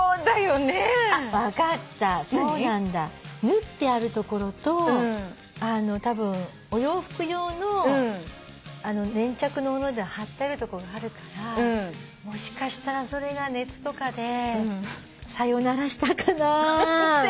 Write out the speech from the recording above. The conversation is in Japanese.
縫ってある所とたぶんお洋服用の粘着の貼ってあるとこがあるからもしかしたらそれが熱とかでさよならしたかなぁ。